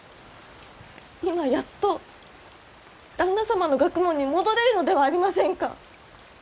今やっと旦那様の学問に戻れるのではありませんか！